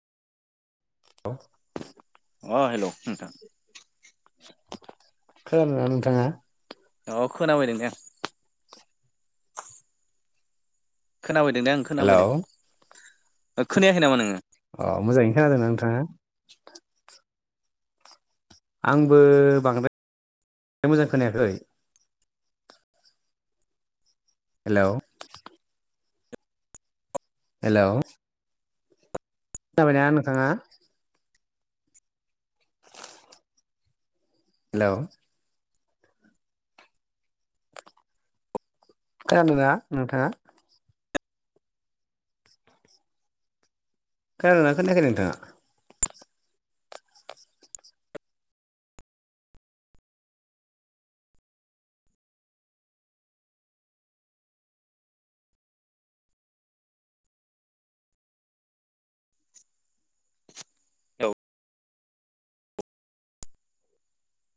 हौ अ हेल' नोंथां। खोनादोंना नोंथाङा? औ खोनाबाय नोंथां खोनाबायदों दे आं हेलौ खोनाबायदों खोनायाखै नामा नोङो? अ मोजाङैनो खोनादों नोंथांआ आंबो बांद्राय मोजां खोनायाखै हेल' हेल' खोनाबायना नोंथाङा हेलौ खोनादोंना नोंथाङा खोनादोना खोनायाखै नोंथाङा औ